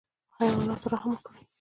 په حیواناتو رحم وکړئ